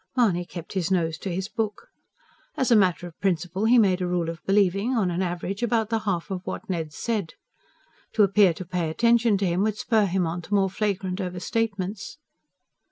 Mahony kept his nose to his book. As a matter of principle. He made a rule of believing, on an average, about the half of what Ned said. To appear to pay attention to him would spur him on to more flagrant over statements.